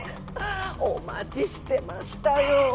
おまちしてましたよ。